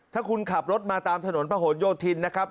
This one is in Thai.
ถ้าคุณขับรถมาตามถนนพระหลโยธินนะครับ